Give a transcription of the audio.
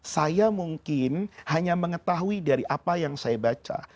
saya mungkin hanya mengetahui dari apa yang saya baca